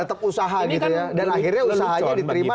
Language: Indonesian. tetap usaha gitu ya